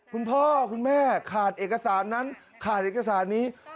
คุณพ่อคุณแม่ขาดเอกสารนั้นขาดเอกสารนี้